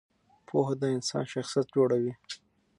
پوهه د انسان شخصیت جوړوي.